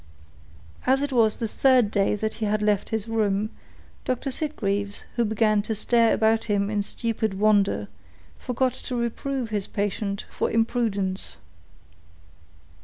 As it was the third day that he had left his room, Dr. Sitgreaves, who began to stare about him in stupid wonder, forgot to reprove his patient for imprudence.